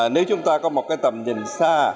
nếu chúng ta có một tầm nhìn xa